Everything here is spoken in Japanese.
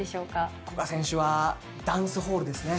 古賀選手は『ダンスホール』ですね。